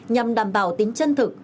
nhằm đảm bảo tính chân thực